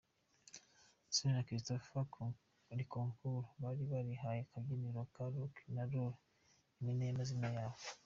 Sonia na Christophe Rocancourt bari barihaye akabyiniriro ka Roc & Rol impine y’amazina yabo.